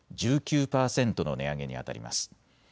１９％の値上げにあたります。